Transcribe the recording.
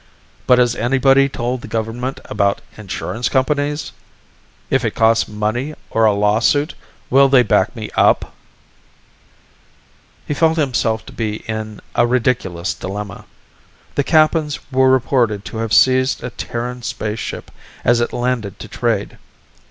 But has anybody told the government about insurance companies? If it costs money or a lawsuit, will they back me up?_ He felt himself to be in a ridiculous dilemma. The Kappans were reported to have seized a Terran spaceship as it landed to trade.